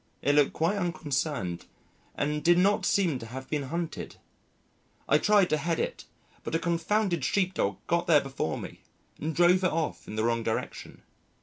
It looked quite unconcerned and did not seem to have been hunted. I tried to head it, but a confounded sheep dog got there before me and drove it off in the wrong direction.